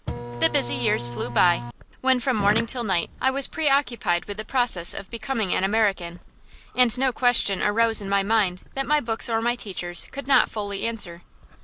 The busy years flew by, when from morning till night I was preoccupied with the process of becoming an American; and no question arose in my mind that my books or my teachers could not fully answer.